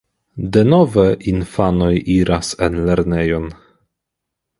Denove infanoj iras en lernejon.